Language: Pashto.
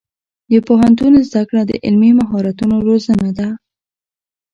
د پوهنتون زده کړه د عملي مهارتونو روزنه ده.